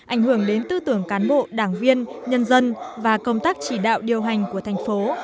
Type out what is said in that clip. ảnh hưởng đến tư tưởng cán bộ đảng viên nhân dân và công tác chỉ đạo điều hành của thành phố